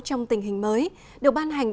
trong tình hình mới được ban hành